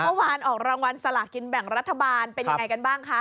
เมื่อวานออกรางวัลสลากินแบ่งรัฐบาลเป็นยังไงกันบ้างคะ